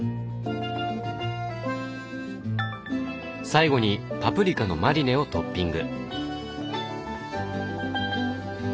最後にパプリカのマリネをトッピング。